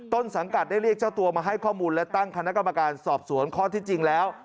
ต้นสังกัดได้เรียกเจ้าตัวมาให้ข้อมูลและตั้งคณะกรรมการสอบสวนข้อที่จริงแล้ว